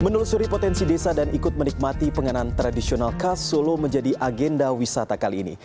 menelusuri potensi desa dan ikut menikmati penganan tradisional khas solo menjadi agenda wisata kali ini